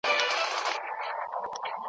ځیني وي چي یې په سر کي بغاوت وي `